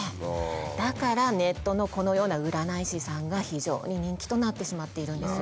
だからネットのこのような占い師さんが非常に人気となってしまっているんです。